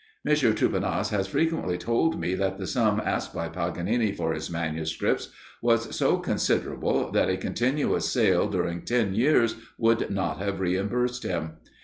M. Troupenas has frequently told me that the sum asked by Paganini for his manuscripts was so considerable, that a continuous sale during ten years would not have reimbursed him.